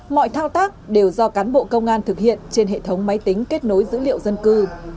mọi thao tác đều do cán bộ công an thực hiện trên hệ thống máy tính kết nối dữ liệu dân cư